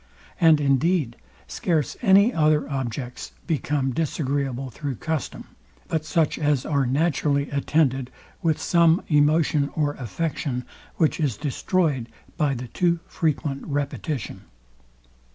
And indeed, scarce any other objects become disagreeable through custom; but such as are naturally attended with some emotion or affection, which is destroyed by the too frequent repetition.